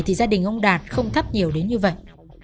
thì gia đình ông đạt không thắp nhiều đến như vậy